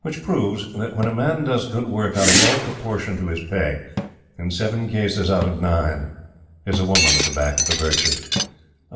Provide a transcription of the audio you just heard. Which proves that, when a man does good work out of all proportion to his pay, in seven cases out of nine there is a woman at the back of the virtue.